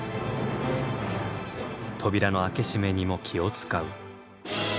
扉の開け閉めにも気を遣う。